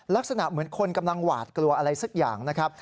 ลักษณะเหมือนคนกำลังหวาดกลัวอะไรสักอย่างนะครับ